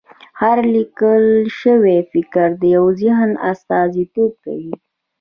هر لیکل شوی فکر د یو ذهن استازیتوب کوي.